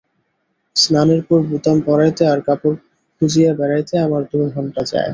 স্নানের পর বোতাম পরাইতে আর কাপড় খুঁজিয়া বেড়াইতে আমার দু ঘণ্টা যায়।